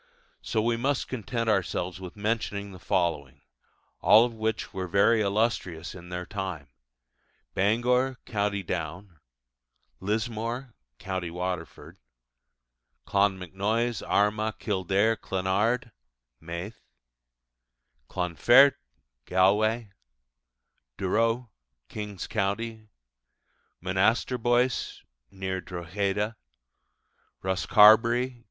So we must content ourselves with mentioning the following, all of which were very illustrious in their time: Bangor (Co. Down), Lismore (Co. Waterford), Clonmacnoise, Armagh, Kildare, Clonard (Meath), Clonfert (Galway), Durrow (King's Co.), Monasterboice (near Drogheda), Rosscarbery (Co.